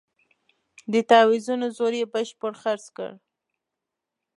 د تاویزونو زور یې بشپړ خرڅ کړ.